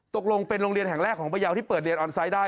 ตกลงเป็นโรงเรียนแห่งแรกของพยาวที่เปิดเรียนออนไซต์ได้